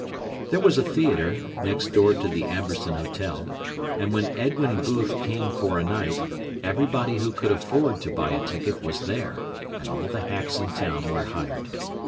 There was a theatre, next door to the Amberson Hotel, and when Edwin Booth came for a night, everybody who could afford to buy a ticket was there, and all the "hacks" in town were hired.